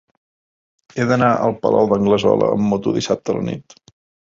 He d'anar al Palau d'Anglesola amb moto dissabte a la nit.